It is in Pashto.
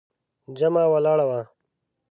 جمعه ولاړه وه.